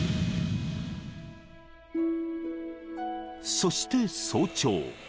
［そして早朝。